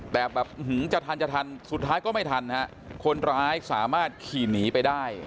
แต่แบบจะทันจะทันสุดท้ายก็ไม่ทันฮะคนร้ายสามารถขี่หนีไปได้